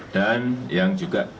dan yang juga